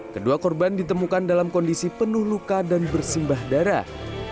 kedua korban ditemukan dalam kondisi penuh luka dan bersimbah darah